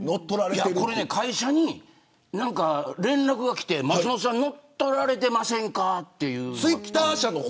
これね、会社に連絡が来て松本さん乗っ取られてませんかって。